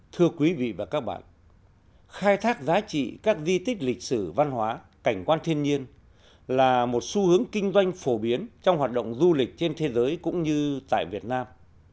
thưa quý vị và các bạn khai thác giá trị các di tích lịch sử văn hóa cảnh quan thiên nhiên là một xu hướng kinh doanh phổ biến trong hoạt động du lịch trên thế giới cũng như tại việt nam